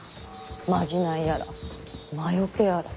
まじないやら魔よけやら。